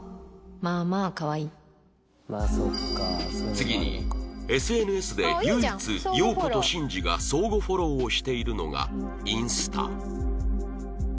次に ＳＮＳ で唯一洋子と慎二が相互フォローをしているのがインスタ